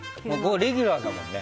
レギュラーだもんね。